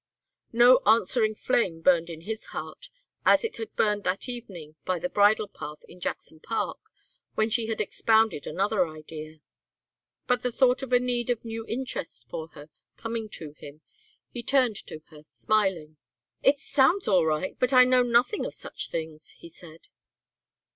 No answering flame burned in his heart as it had burned that evening by the bridle path in Jackson Park when she had expounded another idea. But the thought of a need of new interest for her coming to him, he turned to her smiling. "It sounds all right but I know nothing of such things," he said.